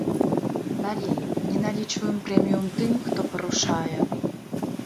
Далей, не налічваем прэмію тым, хто парушае.